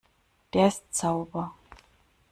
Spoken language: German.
Der ist sauber.